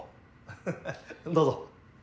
ハハどうぞ。